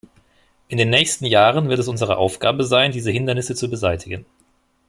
In den nächsten Jahren wird es unsere Aufgabe sein, diese Hindernisse zu beseitigen.